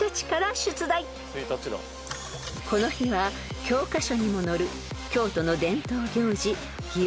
［この日は教科書にも載る］